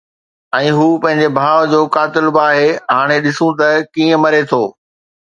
۽ هو پنهنجي ڀاءُ جو قاتل به آهي. هاڻي ڏسون ته ڪيئن مري ٿو.